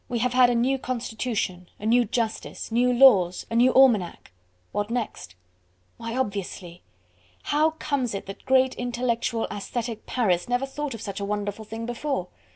We have had a new Constitution, a new Justice, new Laws, a new Almanack! What next? Why, obviously! How comes it that great, intellectual, aesthetic Paris never thought of such a wonderful thing before?